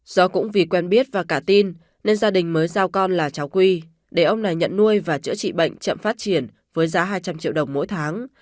do cũng vì quen biết và cả tin nên gia đình mới giao con là cháu quy để ông này nhận nuôi và chữa trị bệnh chậm phát triển với giá hai trăm linh triệu đồng mỗi tháng